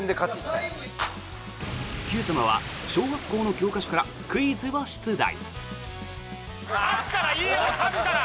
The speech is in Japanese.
「Ｑさま！！」は小学校の教科書からクイズを出題。